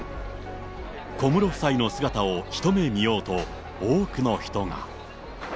小室夫妻の姿を一目見ようと、多くの人が。